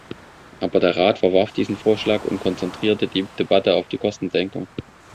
Aber der Rat verwarf diesen Vorschlag und konzentrierte die Debatte auf die Kostensenkung.